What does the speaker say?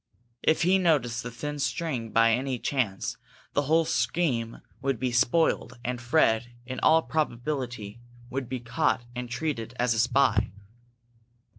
If he noticed the thin string, by any chance, the whole scheme would be spoiled and Fred, in all probability, would be caught and treated as a spy.